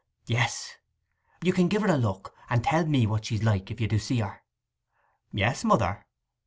'Yes ... You can give her a look, and tell me what's she's like, if you do see her.' 'Yes, mother.